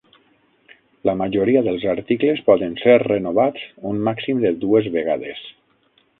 La majoria dels articles poden ser renovats un màxim de dues vegades.